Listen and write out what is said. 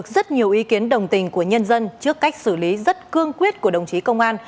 rất nhiều ý kiến đồng tình của nhân dân trước cách xử lý rất cương quyết của đồng chí công an